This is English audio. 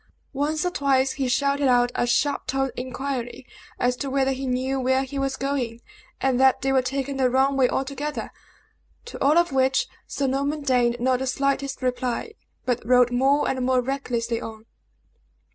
Once or twice he shouted out a sharp toned inquiry as to whether he knew where he was going, and that they were taking the wrong way altogether; to all of which Sir Norman deigned not the slightest reply, but rode more and more recklessly on.